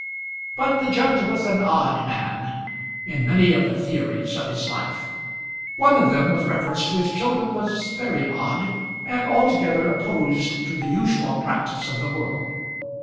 But the judge was an odd man in many of the theories of his life. One of them, with reference to his children, was very odd, and altogether opposed to the usual practice of the world.